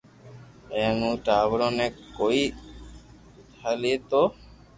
اي مون ٽاڀرو بي ڪوئي داپئي تو